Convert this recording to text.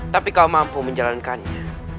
tapi kau mampu menjalankannya